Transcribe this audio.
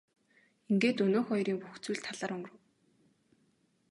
Ингээд өнөөх хоёрын бүх зүйл талаар өнгөрөв.